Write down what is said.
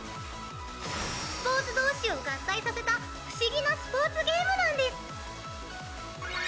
スポーツ同士を合体させた不思議なスポーツゲームなんです。